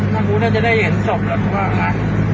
น่ารู้แล้วจะได้เห็นศพหรือเปล่าอ่ะ